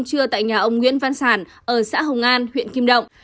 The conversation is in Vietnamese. trưa tại nhà ông nguyễn văn sản ở xã hồng an huyện kim động